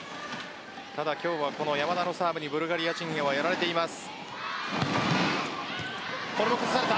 ただ、今日はこの山田のサーブにブルガリア陣営はやられています。